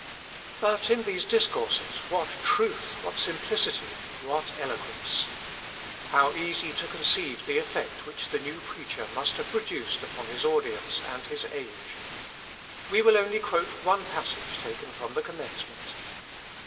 But in these discourses what truth! what simplicity! what eloquence! How easy to conceive the effect which the new preacher must have produced upon his audience and his age! We will quote only one passage taken from the commencement.